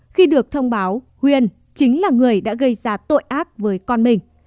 khi được thông báo huyền chính là người đã gây ra tội ác với con mình